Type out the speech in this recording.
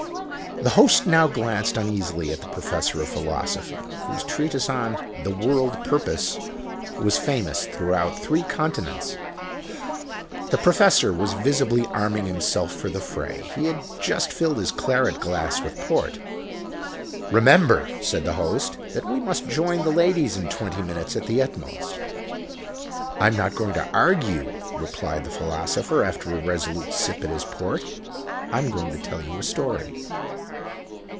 The Host now glanced uneasily at the Professor of Philosophy, whose treatise on The World Purpose was famous throughout three continents. The Professor was visibly arming himself for the fray: he had just filled his claret glass with port. "Remember," said the Host, "that we must join the ladies in twenty minutes at the utmost." "I'm not going to argue," replied the Philosopher, after a resolute sip at his port; "I'm going to tell you a story."